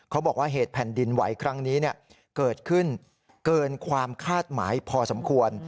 เขาบอกว่าเหตุแผ่นดินไหวครั้งนี้เกิดขึ้นเกินความคาดหมายพอสมควร